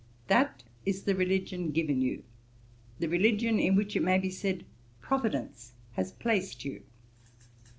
That is the religion given you, the religion in which it may be said Providence has placed you.